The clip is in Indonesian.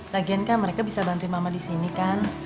lagian kan mereka bisa bantuin mama disini kan